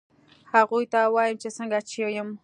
هغوی ته وایم چې څنګه چې یم